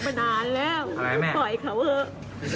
ปล่อยเขาเหอะ